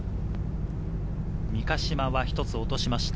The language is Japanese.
三ヶ島は一つ落としました。